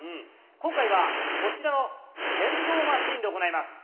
今回はこちらの剣道マシーンで行います。